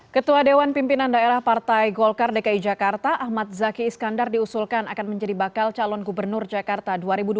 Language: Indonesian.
ketua dewan pimpinan daerah partai golkar dki jakarta ahmad zaki iskandar diusulkan akan menjadi bakal calon gubernur jakarta dua ribu dua puluh